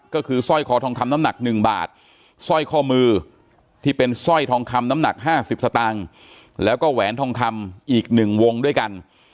ก็คือสร้อยคอทองคำน้ำหนัก๑บาทสร้อยข้อมือที่เป็นสร้อยทองคำน้ำหนัก๕๐สตางค์แล้วก็แหวนทองคำอีก๑วงด้วยกัน